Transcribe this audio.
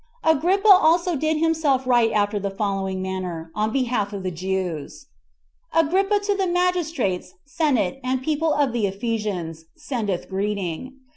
4. Agrippa also did himself write after the manner following, on behalf of the Jews: "Agrippa, to the magistrates, senate, and people of the Ephesians, sendeth greeting.